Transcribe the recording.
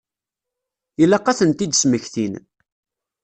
Ilaq ad tent-id-smektin.